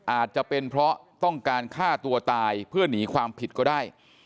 อาจจะเป็นเพราะต้องการฆ่าตัวตายเพื่อหนีความผิดก็ได้